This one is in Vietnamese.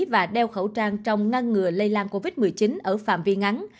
và đeo khẩu trang trong ngăn ngừa lây lan covid một mươi chín ở phạm vi ngắn